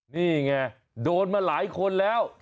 นี่ไงโดนมาหลายคนแล้ว